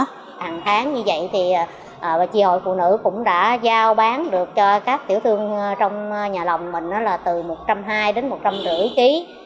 hàng tháng như vậy thì tri hội phụ nữ cũng đã giao bán được cho các tiểu thương trong nhà lòng mình là từ một trăm hai mươi đến một trăm năm mươi ký